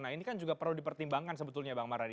nah ini kan juga perlu dipertimbangkan sebetulnya bang mardhani